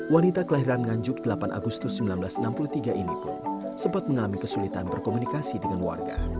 wanita kelahiran nganjuk delapan agustus seribu sembilan ratus enam puluh tiga ini pun sempat mengalami kesulitan berkomunikasi dengan warga